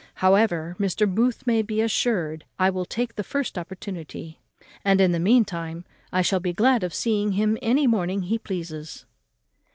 However, Mr. Booth may be assured I will take the first opportunity; and in the mean time, I shall be glad of seeing him any morning he pleases."